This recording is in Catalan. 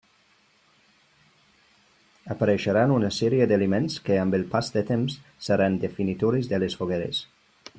Apareixeran una sèrie d'elements que amb el pas del temps seran definitoris de les Fogueres.